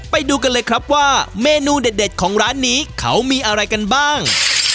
ไปดูกันเลยครับว่าเมนูเด็ดของร้านนี้เขามีอะไรกันบ้าง